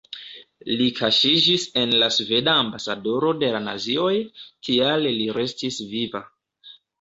Li kaŝiĝis en la sveda ambasadoro de la nazioj, tial li restis viva.